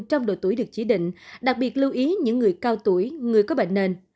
trong độ tuổi được chỉ định đặc biệt lưu ý những người cao tuổi người có bệnh nền